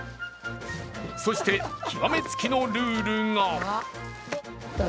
そして極めつきのルールが。